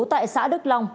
tại xã đức long